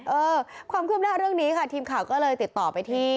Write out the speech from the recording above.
เออความคืบหน้าเรื่องนี้ค่ะทีมข่าวก็เลยติดต่อไปที่